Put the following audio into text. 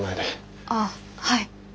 ああはい。